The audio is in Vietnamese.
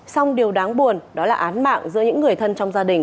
xong điều đáng buồn đó là án mạng giữa những người thân trong gia đình